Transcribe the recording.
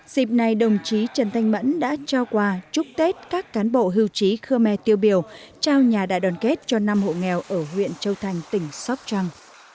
dịp này đồng chí trần thanh mẫn đã trao quà chúc tết các cán bộ hưu trí khơ me tiêu biểu trao nhà đại đoàn kết cho năm hộ nghèo ở huyện châu thành tỉnh sóc trăng